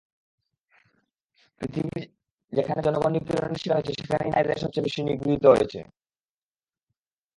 পৃথিবীর যেখানে জনগণ নিপীড়নের শিকার হয়েছে, সেখানে নারীরাই সবচেয়ে নিগৃহীত হয়েছে।